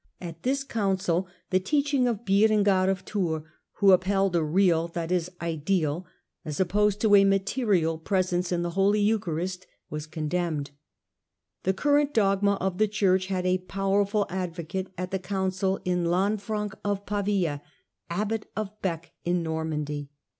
At this council the teaching of Berengar of Tours, who upheld a real, as opposed to a material, presence in the holy eucharist, was con demned. The current dogma of the Church had a powerful advocate at the council in Lanfiranc of Pavia, abbot of Bee in Normandy.